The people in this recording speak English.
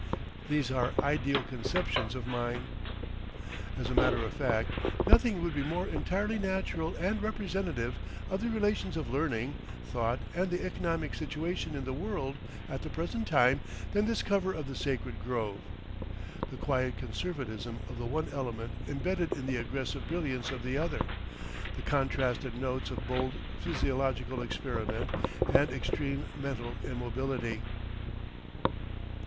These are ideal conceptions of mine. As a matter of fact, nothing would be more entirely natural and representative of the relations of learning, thought and the economic situation in the world at the present time than this cover of the Sacred Grove—the quiet conservatism of the one element embedded in the aggressive brilliance of the other; the contrasted notes of bold physiological experiment and extreme mental immobility.